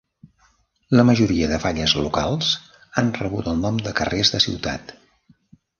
La majoria de falles locals han rebut el nom de carrers de ciutat.